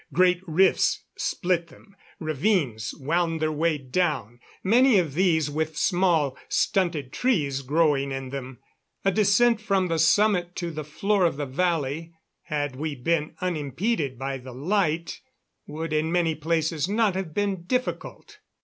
Great rifts split them; ravines wound their way down, many of these with small, stunted trees growing in them. A descent from the summit to the floor of the valley, had we been unimpeded by the light, would in many places not have been difficult.